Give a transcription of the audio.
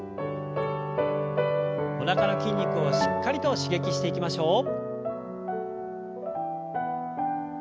おなかの筋肉をしっかりと刺激していきましょう。